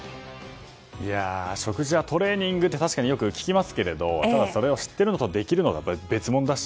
食事はトレーニングって確かに聞きますけどただ、それを知っているのとできるのとは別物だし。